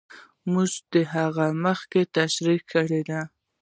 موږ هغه مخکې تشرېح کړې دي.